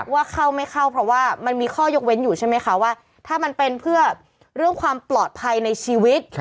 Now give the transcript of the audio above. ว่าเข้าไม่เข้าเพราะว่ามันมีข้อยกเว้นอยู่ใช่ไหมคะว่าถ้ามันเป็นเพื่อเรื่องความปลอดภัยในชีวิต